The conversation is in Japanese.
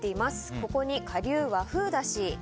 ここに、顆粒和風だし。